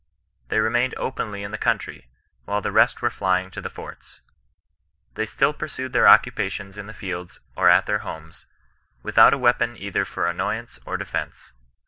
They remained openly in the country, while the rest were flying to the forts. They still pursued their occupations in the fidds or at their homes, without a weapon either for annoyance or defence.